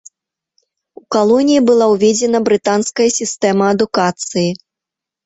У калоніі была ўведзена брытанская сістэма адукацыі.